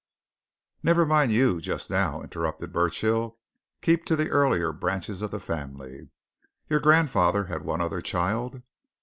"Never mind you just now," interrupted Burchill. "Keep to the earlier branches of the family. Your grandfather had one other child?"